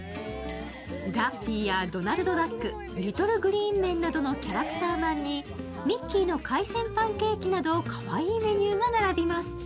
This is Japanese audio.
ダッフィーやドナルドダック、リトルグリーンメンなどのキャラクターまんにミッキーの海鮮パンケーキなどかわいいメニューが並びます。